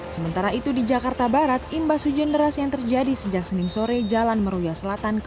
sementara itu di jakarta barat imbas hujan deras yang terjadi sejak senin sore jalan meruya selatan